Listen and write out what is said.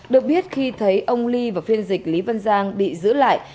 được biết khi thấy ông ly và phiên dịch lý văn giang bị giữ lại